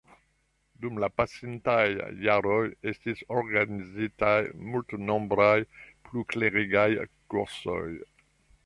Dum la pasintaj jaroj estis organizitaj multnombraj pluklerigaj kursoj.